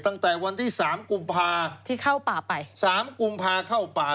ตั้งแต่วันที่สามกุมภาที่เข้าป่าไปสามกุมภาเข้าป่า